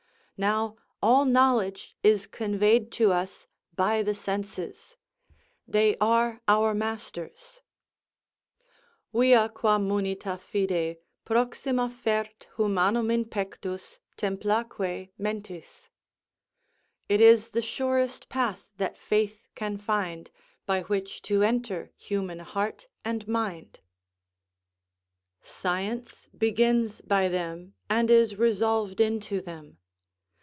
Now all knowledge is conveyed to us by the senses; they are our masters: Via qua munita fidei Proxima fert humanum in pectus, templaque mentis; "It is the surest path that faith can find By which to enter human heart and mind." Science begins by them, and is resolved into them.